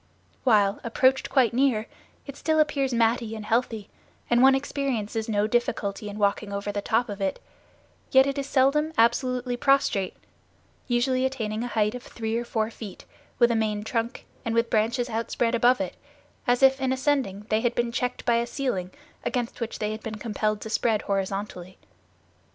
While, approached quite near, it still appears matty and heathy, and one experiences no difficulty in walking over the top of it, yet it is seldom absolutely prostrate, usually attaining a height of three or four feet with a main trunk, and with branches outspread above it, as if in ascending they had been checked by a ceiling against which they had been compelled to spread horizontally.